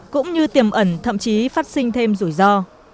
cũng như tiềm ẩn thậm chí phát sinh thêm rủi ro